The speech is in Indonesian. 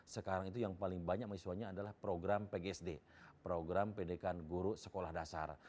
sekarang itu yang paling banyak mahasiswanya adalah program pgsd program pendidikan guru sekolah dasar